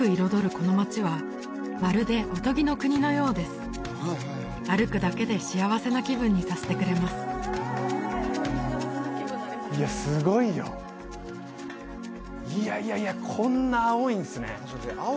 この街はまるでおとぎの国のようです歩くだけで幸せな気分にさせてくれますいやすごいよいやいやいやこんな青いんですね